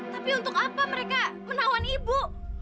tapi untuk apa mereka menawan ibu